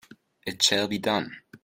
It shall be done!